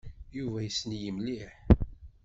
Yuba yessen-iyi mliḥ.